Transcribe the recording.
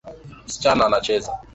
Msichana anacheza.